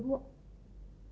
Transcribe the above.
daripada kita yang disalahkan